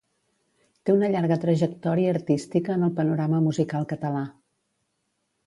Té una llarga trajectòria artística en el panorama musical català.